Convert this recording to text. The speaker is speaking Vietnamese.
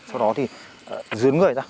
sau đó thì dướn người ra